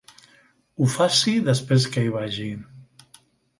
Ho faci després que hi vagi.